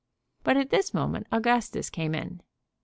But at this moment Augustus came in.